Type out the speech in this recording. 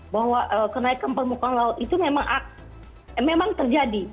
bahwa kenaikan permukaan laut itu memang terjadi